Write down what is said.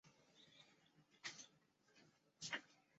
日本沙漠实践协会会长。